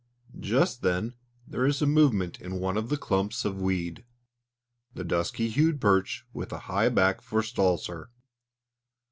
Just then there is a movement in one of the clumps of weed. The dusky hued perch with the high back forestalls her.